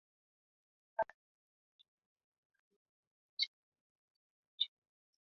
alo linashughulika na chama kimoja